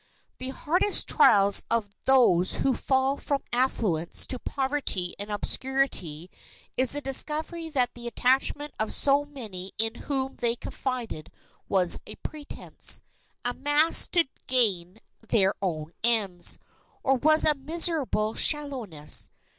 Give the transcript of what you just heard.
The hardest trials of those who fall from affluence to poverty and obscurity is the discovery that the attachment of so many in whom they confided was a pretense, a mask to gain their own ends, or was a miserable shallowness.